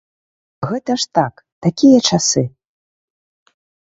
Гэта ж так, такія часы.